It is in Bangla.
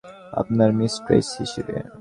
আপনার মিস্ট্রেস হিসেবে।